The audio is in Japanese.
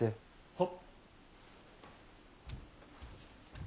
はっ。